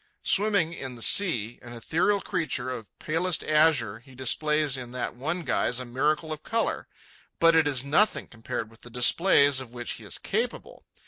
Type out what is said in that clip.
Swimming in the sea, an ethereal creature of palest azure, he displays in that one guise a miracle of colour. But it is nothing compared with the displays of which he is capable.